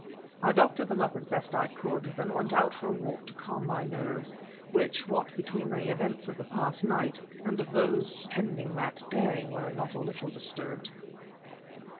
I doctored them up as best I could, then went out for a walk to calm my nerves, which, what between the events of the past night, and of those pending that day, were not a little disturbed.